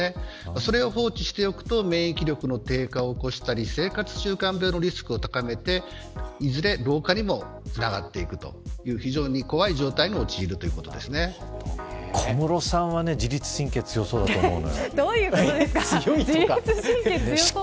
それを放置しておくと免疫力の低下を起こしたり生活習慣病のリスクを高めていずれ老化にもつながっていくという非常に怖い状態に小室さんはどういうことですか。